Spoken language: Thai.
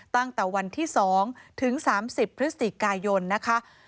ตั้งแต่วันที่๒ถึง๓๐พฤศจิกายนนะคะ